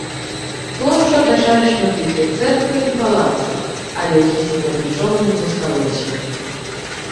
Плошчу атачалі шматлікія цэрквы і палацы, ад якіх цяпер нічога не засталося.